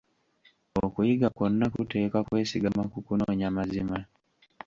Okuyiga kwonna kuteekwa kwesigama ku kunoonya mazima.